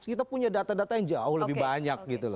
kita punya data data yang jauh lebih banyak